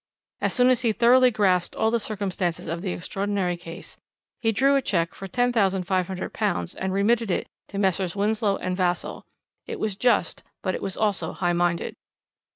As soon as he thoroughly grasped all the circumstances of the extraordinary case, he drew a cheque for £10,500 and remitted it to Messrs. Winslow and Vassall. It was just, but it was also high minded.